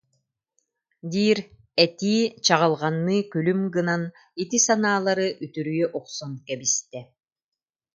» диир этии чаҕылҕанныы күлүм гынан, ити санаалары үтүрүйэ охсон кэбистэ